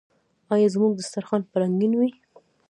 آیا زموږ دسترخان به رنګین وي؟